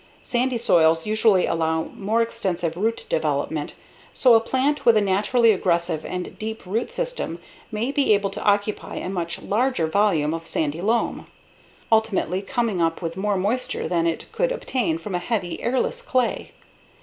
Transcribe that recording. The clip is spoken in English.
Sandy soils usually allow more extensive root development, so a plant with a naturally aggressive and deep root system may be able to occupy a much larger volume of sandy loam, ultimately coming up with more moisture than it could obtain from a heavy, airless clay.